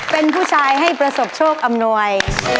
เป็นผู้ชายให้ประสบโชคอำนวย